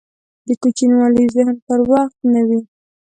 دکوچنیوالي ذهن هر وخت نه وي.